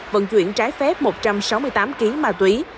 vận chuyển trái phép một trăm sáu mươi tám kg ma túy